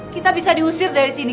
kita bisa diusir dari sini